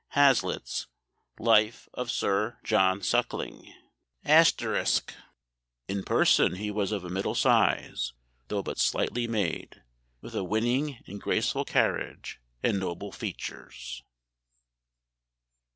Hazlitt's Life of Sir John Suckling. *] "In person he was of a middle size, though but slightly made, with a winning and graceful carriage, and noble features."